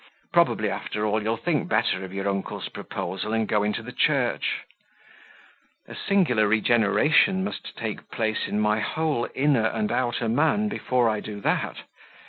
Probably, after all, you'll think better of your uncles' proposal and go into the Church." "A singular regeneration must take place in my whole inner and outer man before I do that.